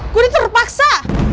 gue ini terpaksa